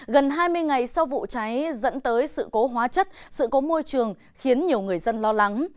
gần hai mươi ngày sau vụ cháy dẫn tới sự cố hóa chất sự cố môi trường khiến nhiều người dân lo lắng